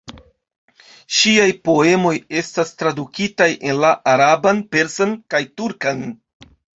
Ŝiaj poemoj estas tradukitaj en la araban, persan kaj turkan.